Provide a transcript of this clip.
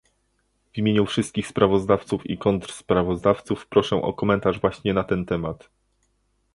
W imieniu wszystkich sprawozdawców i kontrsprawozdawców proszę o komentarz właśnie na ten temat